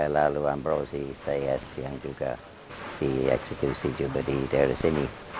lalu amrozi sayes yang juga dieksekusi juga di daerah sini